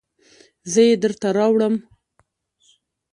زه یې درته راوړم